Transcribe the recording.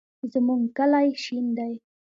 زمونږ کلی شین دی